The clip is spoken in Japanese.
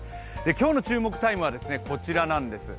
今日の注目タイムは、こちらなんです。